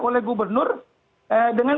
oleh gubernur dengan